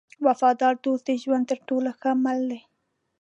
وفادار دوست د ژوند تر ټولو ښه مل دی.